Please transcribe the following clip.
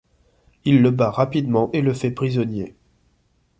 Il le bat rapidement et le fait prisonnier.